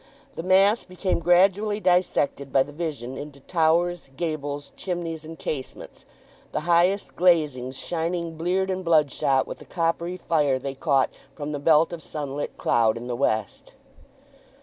The mass became gradually dissected by the vision into towers, gables, chimneys, and casements, the highest glazings shining bleared and bloodshot with the coppery fire they caught from the belt of sunlit cloud in the west.